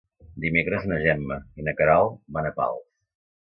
Dimecres na Gemma i na Queralt van a Pals.